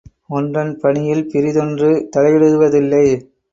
ஒன்றன் பணியில் பிறிதொன்று தலையிடுவதில்லை.